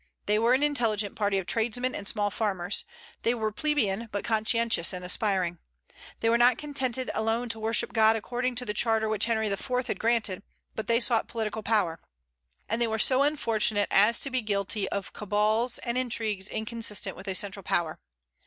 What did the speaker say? They were an intelligent party of tradesmen and small farmers; they were plebeian, but conscientious and aspiring. They were not contented alone to worship God according to the charter which Henry IV. had granted, but they sought political power; and they were so unfortunate as to be guilty of cabals and intrigues inconsistent with a central power.